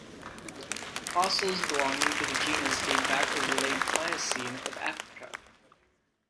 Fossils belonging to the genus date back to the late Miocene of Africa.